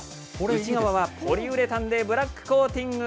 内側はポリウレタンでブラックコーティング。